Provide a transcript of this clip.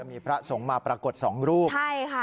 มีพระสงฆ์มาปรากฏสองรูปใช่ค่ะ